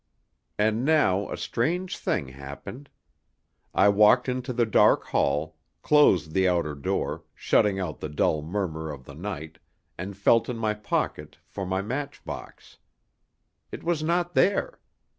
And now a strange thing happened. I walked into the dark hall, closed the outer door, shutting out the dull murmur of the night, and felt in my pocket for my matchbox. It was not there.